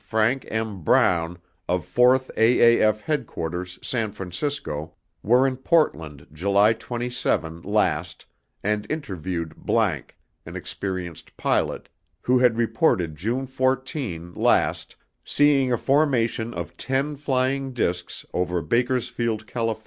FRANK M. BROWN OF FOURTH AAF HEADQUARTERS SAN FRANCISCO WERE IN PORTLAND JULY TWENTY SEVEN LAST AND INTERVIEWED ____ AN EXPERIENCED PILOT, WHO HAD REPORTED JUNE FOURTEEN LAST SEEING A FORMATION OF TEN FLYING DISCS OVER BAKERSFIELD, CALIF.